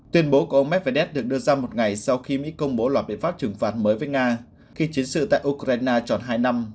tuyên bố của ông medvedev được đưa ra một ngày sau khi mỹ công bố loạt biện pháp trừng phạt mới với nga khi chiến sự tại ukraine tròn hai năm